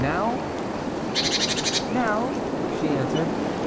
" Now," she answered.